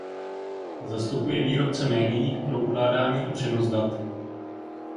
Zastupuje výrobce médií pro ukládání a přenos dat.